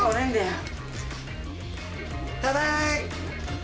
ただい。